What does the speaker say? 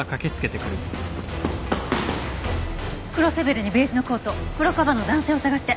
黒背広にベージュのコート黒かばんの男性を捜して。